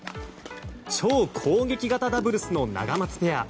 超攻撃型ダブルスのナガマツペア。